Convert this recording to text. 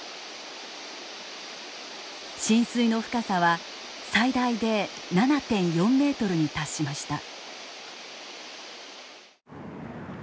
浸水の深さは最大で７．４ｍに達しました。